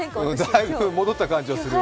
だいぶ戻った感じはする。